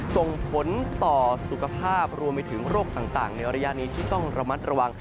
ส่งผลต่อสุขภาพรวมไปถึงโรคต่างในระยะนี้ที่ต้องระมัดระวัง